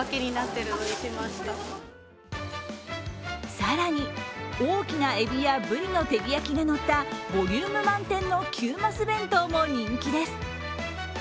更に、大きなえびやぶりの照り焼きがのったボリューム満点の９マス弁当も人気です。